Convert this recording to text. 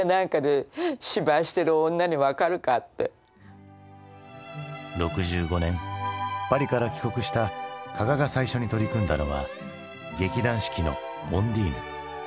そんな６５年パリから帰国した加賀が最初に取り組んだのは劇団四季の「オンディーヌ」。